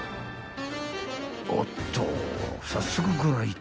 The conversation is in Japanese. ［おっと早速ご来店］